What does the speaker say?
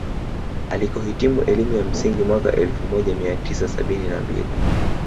Alikohitimu elimu ya msingi mwaka elfu moja mia tisa sabini na mbili